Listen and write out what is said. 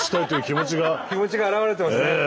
気持ちが表れてますね。